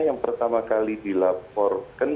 yang pertama kali dilaporkan